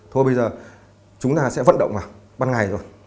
thôi bây giờ chúng ta sẽ vận động vào ban ngày rồi